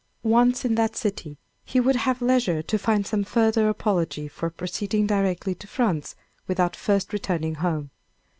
Once in that city, he would have leisure to find some further apology for proceeding directly to France without first returning home.